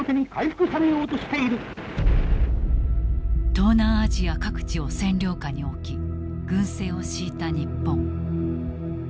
東南アジア各地を占領下に置き軍政を敷いた日本。